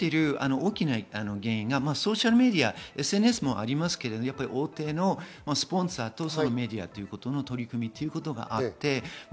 大きな原因がソーシャルメディア、ＳＮＳもありますが、大手スポンサーとメディアということの取り組みがあります。